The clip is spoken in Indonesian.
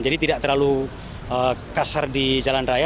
jadi tidak terlalu kasar di jalan raya